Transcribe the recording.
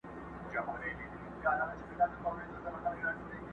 ما یوه شېبه لا بله ځنډولای،